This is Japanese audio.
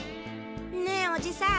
ねえおじさん